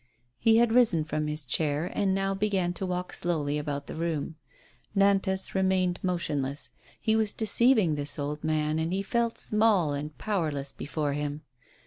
He had risen from his chair, and now began to walk slowly about the room. Nantas remained motionless. He was deceiving this old man, and he felt small and powerless before him.